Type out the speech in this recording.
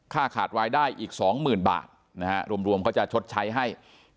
ขาดรายได้อีก๒๐๐๐บาทนะฮะรวมเขาจะชดใช้ให้